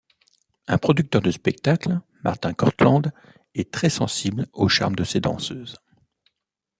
Un producteur de spectacles, Martin Cortland, est très sensible au charme de ses danseuses.